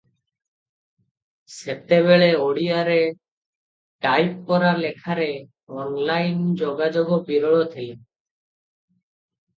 ସେତେବେଳେ ଓଡ଼ିଆରେ ଟାଇପକରା ଲେଖାରେ ଅନଲାଇନ ଯୋଗାଯୋଗ ବିରଳ ଥିଲା ।